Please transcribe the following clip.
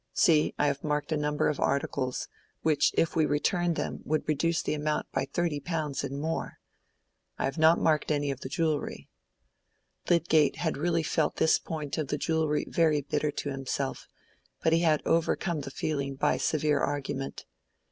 See, I have marked a number of articles, which if we returned them would reduce the amount by thirty pounds and more. I have not marked any of the jewellery." Lydgate had really felt this point of the jewellery very bitter to himself; but he had overcome the feeling by severe argument.